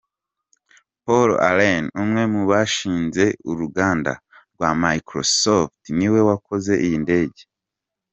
Paul Allen umwe mubashinze uruganda rwa Microsoft niwe wakoze iyi ndege.